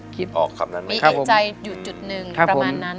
มีอินใจอยู่จุดหนึ่งประมาณนั้น